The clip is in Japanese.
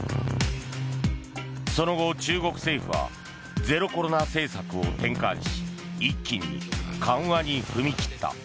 その後、中国政府はゼロコロナ政策を転換し一気に緩和に踏み切った。